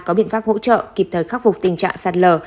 có biện pháp hỗ trợ kịp thời khắc phục tình trạng sát lờ